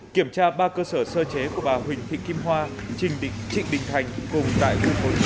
kiểm tra ba cơ sở sơ chế của bà huỳnh thị kim hoa trịnh đình thành cùng tại khu phố chín